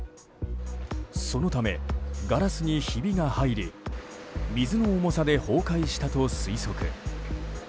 そのため、ガラスにひびが入り水の重さで崩壊したと推測。